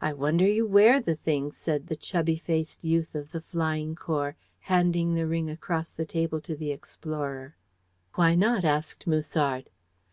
"I wonder you wear the thing," said the chubby faced youth of the Flying Corps, handing the ring across the table to the explorer. "Why not?" asked Musard.